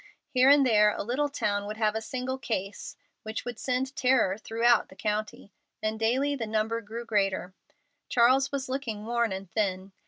Here and there a little town would have a single case, which would send terror throughout the county, and daily the number grew greater. Charles was looking worn and thin.